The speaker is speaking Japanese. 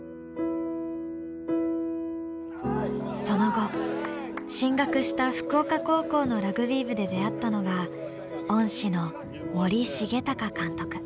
その後進学した福岡高校のラグビー部で出会ったのが恩師の森重隆監督。